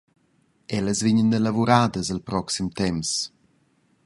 Ellas vegnan elavuradas il proxim temps.